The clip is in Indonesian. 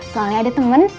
soalnya ada temen